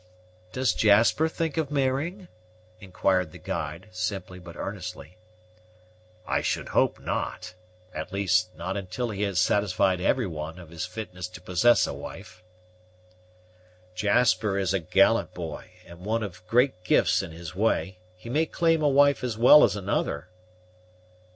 "Does Jasper think of marrying?" inquired the guide, simply but earnestly. "I should hope not at least, not until he has satisfied every one of his fitness to possess a wife." "Jasper is a gallant boy, and one of great gifts in his way; he may claim a wife as well as another."